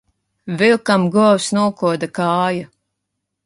Vilkam govs nokoda kāju.